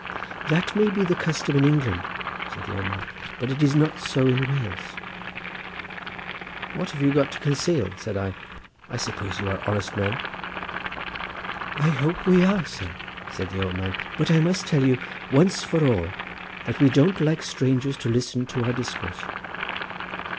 "That may be the custom in England," said the old man; "but it is not so in Wales." "What have you got to conceal?" said I. "I suppose you are honest men." "I hope we are, sir," said the old man; "but I must tell you, once for all, that we don't like strangers to listen to our discourse."